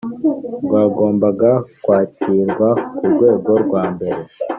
rwagombaga kwakirwa ku rwego rwa mbere